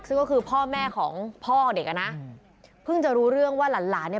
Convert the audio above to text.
ซึ่งก็คือพ่อแม่ของพ่อเด็กอ่ะนะเพิ่งจะรู้เรื่องว่าหลานหลานเนี่ย